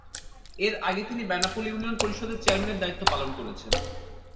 এর আগে তিনি বেনাপোল ইউনিয়ন পরিষদ চেয়ারম্যানের দায়িত্ব পালন করেছেন।